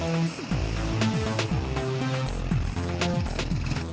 datang aja dulu ke sana